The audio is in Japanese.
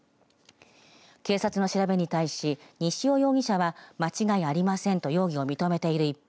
警察の調べに対し西尾容疑者は間違いありませんと容疑を認めている一方